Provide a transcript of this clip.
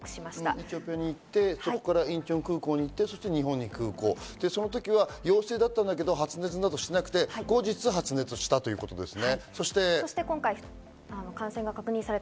エチオピアに行って、そこからインチョンに行って日本の空港、陽性だったんだけど発熱などしていなくて、後日発熱したということですね。